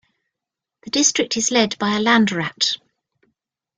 The district is led by a "Landrat".